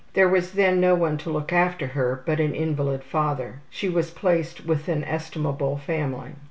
There was then no one to look after her but an invalid father. She was placed with an estimable family.